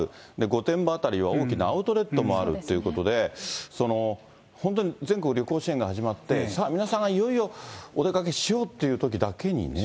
御殿場辺りは大きなアウトレットもあるということで、本当、全国旅行支援が始まって、さあ皆さん、いよいよお出かけしようっていうときだけにね。